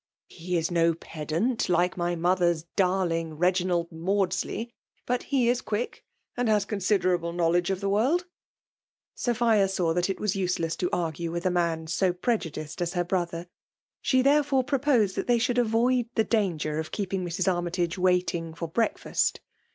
He is no pedant^ like my mother s darling, Beginald Maudsley ; but he is quiel^and has considerable knowledge of the world/* Sophia saw that it was useless to argue with a man so prejudiced as her brother; she, therefore, proposed that they should aroidihie danger of keeping Mrs. Armytage waiting for breakiast.